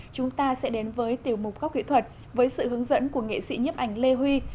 chúng ta sẽ đến với tiểu mục góc kỹ thuật với sự hướng dẫn của nghệ sĩ nhấp ảnh lê huy